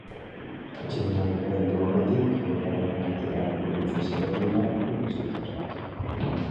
Atsedenaldira heldu aurretik aurkariaren atera hurbiltzen saiatu dira, baina ez dute asmatu.